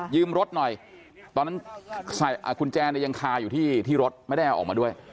ยืมรถหน่อยตอนนั้นคุณแจงคาอยู่ที่รถไม่ได้เอาออกมาด้วย